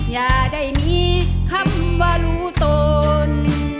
อย่าได้มีคำว่ารู้ตน